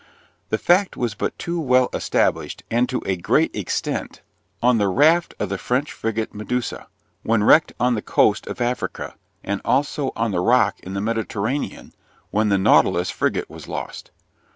The fact was but too well established, and to a great extent, on the raft of the French frigate Meduse, when wrecked on the coast of Africa, and also on the rock in the Mediterranean, when the Nautilus frigate was lost.